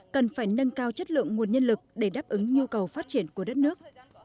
cần phải nâng cao chất lượng nguồn nhân lực để đáp ứng nhu cầu phát triển của đất nước